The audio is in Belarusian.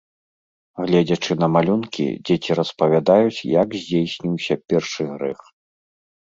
Гледзячы на малюнкі, дзеці распавядаюць, як здзейсніўся першы грэх.